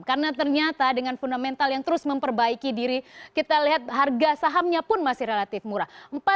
karena ternyata dengan fundamental yang terus memperbaiki diri kita lihat harga sahamnya pun masih relatif murah